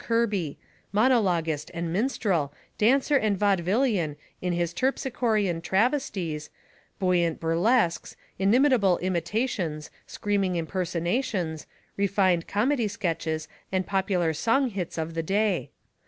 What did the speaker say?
Kirby Monologuist and minstrel, dancer and vaudevillian in his terpsichorean travesties, buoyant burlesques, inimitable imitations, screaming impersonations, refined comedy sketches and popular song hits of the day.